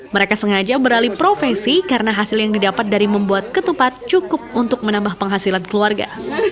mereka sengaja beralih profesi karena hasil yang didapat dari membuat ketupat cukup untuk menambah penghasilan keluarga